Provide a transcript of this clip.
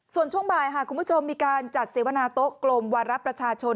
ส่วนช่วงบ่ายค่ะคุณผู้ชมมีการจัดเสวนาโต๊ะกลมวาระประชาชน